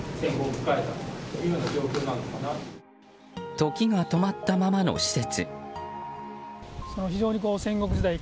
時が止まったままの施設。